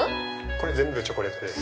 これ全部チョコレートです。